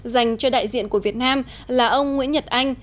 dành cho đại diện của việt nam là ông nguyễn nhật anh